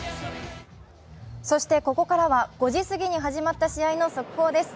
そしてここからは５時過ぎに始まった試合の速報です。